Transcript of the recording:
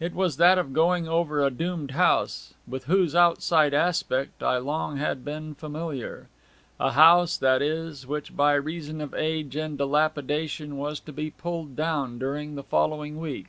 It was that of going over a doomed house with whose outside aspect I had long been familiar a house, that is, which by reason of age and dilapidation was to be pulled down during the following week.